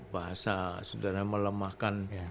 bahasa sederhana melemahkan